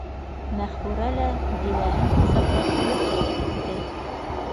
Мәғфүрә лә Диләһен ҡосаҡлап йоҡлап китте.